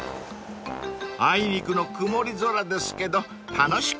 ［あいにくの曇り空ですけど楽しくいきましょう］